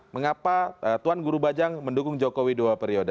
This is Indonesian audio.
mengapa tuan guru bajang mendukung jokowi dua periode